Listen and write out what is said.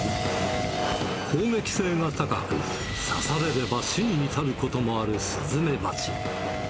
攻撃性が高く、刺されれば死に至ることもあるスズメバチ。